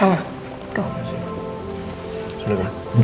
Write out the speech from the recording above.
mau kita tai di famed boreng